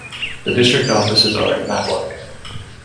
The district offices are in Matlock.